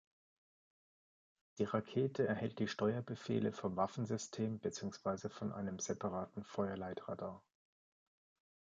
Die Rakete erhält die Steuerbefehle vom Waffensystem beziehungsweise von einem separaten Feuerleitradar.